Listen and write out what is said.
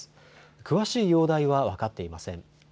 詳しい容体は分かっていません。